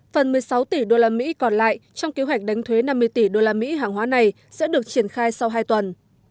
phần một mươi sáu tỷ đô la mỹ còn lại trong kế hoạch đánh thuế năm mươi tỷ đô la mỹ hàng hóa này sẽ được triển khai sau hai tuần